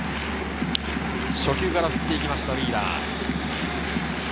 初球から振っていきました、ウィーラー。